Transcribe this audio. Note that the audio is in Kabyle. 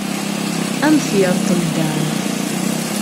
Ad am-t-yerḍel Dan.